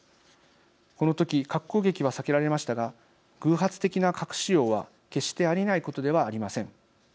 この時、核攻撃は避けられましたが偶発的な核使用は決してありえないことではありません。